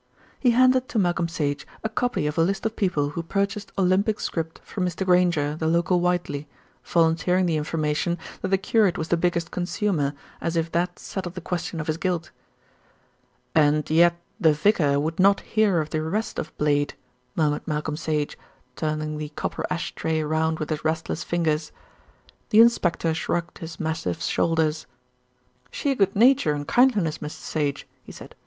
He handed to Malcolm Sage a copy of a list of people who purchased "Olympic Script" from Mr. Grainger, the local Whiteley, volunteering the information that the curate was the biggest consumer, as if that settled the question of his guilt. "And yet the vicar would not hear of the arrest of Blade," murmured Malcolm Sage, turning the copper ash tray round with his restless fingers. The inspector shrugged his massive shoulders. "Sheer good nature and kindliness, Mr. Sage," he said.